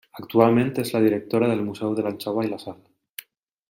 Actualment és la directora del Museu de l’Anxova i la Sal.